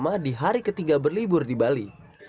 barack obama di hari ketiga berlibur di bali